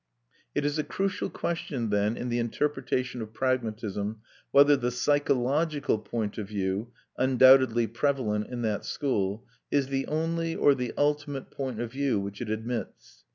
It is a crucial question, then, in the interpretation of pragmatism, whether the psychological point of view, undoubtedly prevalent in that school, is the only or the ultimate point of view which it admits.